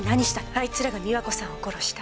あいつらが美和子さんを殺した。